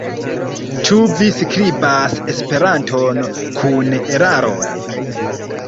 Ĉu vi skribas Esperanton kun eraroj?